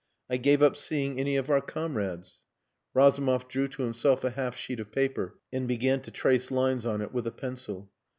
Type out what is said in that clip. I gave up seeing any of our comrades...." Razumov drew to himself a half sheet of paper and began to trace lines on it with a pencil.